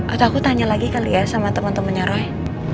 atau aku tanya lagi kali ya sama teman temannya roy